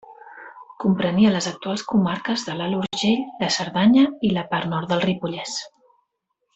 Comprenia les actuals comarques de l'Alt Urgell, la Cerdanya i la part nord del Ripollès.